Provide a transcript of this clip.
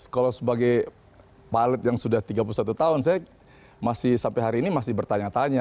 kalau sebagai pilot yang sudah tiga puluh satu tahun saya masih sampai hari ini masih bertanya tanya